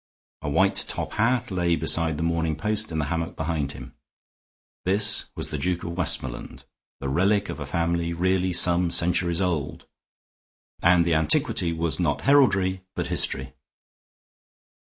A white top hat lay beside the Morning Post in the hammock behind him. This was the Duke of Westmoreland, the relic of a family really some centuries old; and the antiquity was not heraldry but history.